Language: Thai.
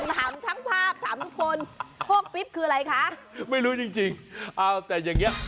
ถามช่างภาพถามทุกคนโคกปิ๊บคืออะไรคะไม่รู้จริงจริงเอาแต่อย่างเงี้ย